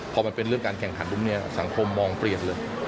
พอมันเป็นเรื่องของเเลิกนี่สังคมมองเปลี่ยนเรื่อย